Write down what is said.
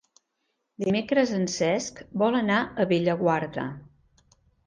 Dimecres en Cesc vol anar a Bellaguarda.